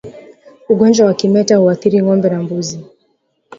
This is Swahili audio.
Ugonjwa wa kimeta huathiri ngombe na mbuzi